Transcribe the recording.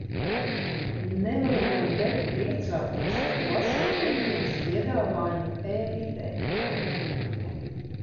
Nevaru vien beigt priecāties par plašo kultūras piedāvājumu e-vidē.